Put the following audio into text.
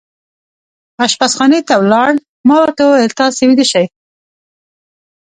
اشپزخانې ته ولاړ، ما ورته وویل: تاسې ویده شئ.